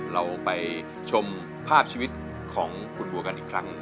เราไปชมภาพชีวิตของคุณบัวกันอีกครั้ง